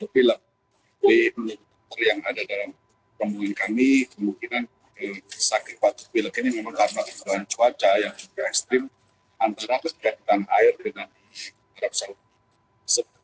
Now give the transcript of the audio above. bahkan diprediksi bisa mencapai empat puluh derajat celcius